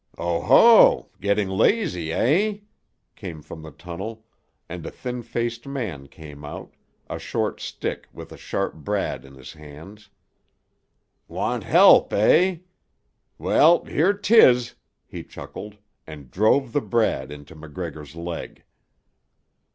"Oh ho! Getting lazy, eh?" came from the tunnel, and a thin faced man came out, a short stick with a sharp brad in his hands. "Want help, eh? Well, here 'tis," he chuckled, and drove the brad into MacGregor's leg.